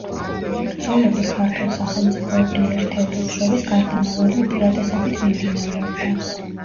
ბრძოლები ქართულ სახელმწიფოებრივ ერთეულებს შორის გარდამავალი უპირატესობით მიმდინარეობდა.